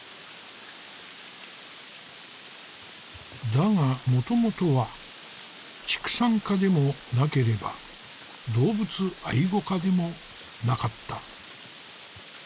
だがもともとは畜産家でもなければ動物愛護家でもなかった。